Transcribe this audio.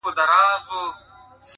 څه وکړمه لاس کي مي هيڅ څه نه وي؛